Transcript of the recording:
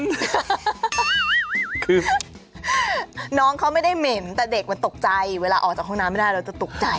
คือน้องเขาไม่ได้เหม็นแต่เด็กมันตกใจเวลาออกจากห้องน้ำไม่ได้เราจะตกใจ